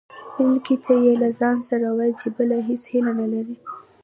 بلکې تل يې له ځانه سره ويل چې بله هېڅ هيله نه لري.